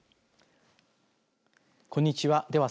こんにちは。